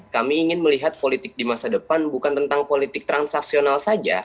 kami ingin melihat politik di masa depan bukan tentang politik transaksional saja